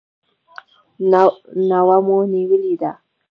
نوه مو نیولې ده.